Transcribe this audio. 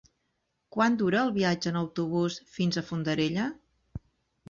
Quant dura el viatge en autobús fins a Fondarella?